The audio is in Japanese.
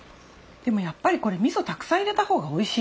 でもやっぱりこれ味噌たくさん入れたほうがおいしい。